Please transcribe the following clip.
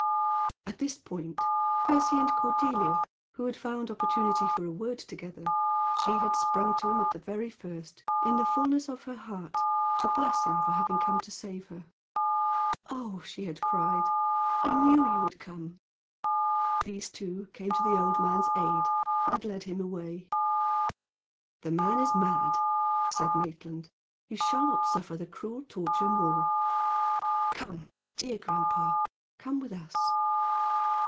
At this point Percy and Cordelia, who had found opportunity for a word together she had sprung to him at the very first, in the fullness of her heart, to bless him for having come to save her. "Oh," she had cried, "I knew you would come!" these two came to the old man's aid and led him away. "The man is mad," said Maitland. "You shall not suffer the cruel torture more." "Come, dear grandpa! Come with us."